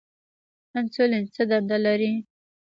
انسولین څه دنده لري؟